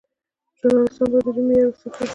ژورنالیستان باید د ژبې معیار وساتي.